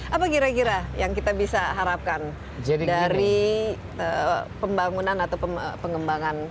apa kira kira yang kita bisa harapkan dari pembangunan atau pengembangan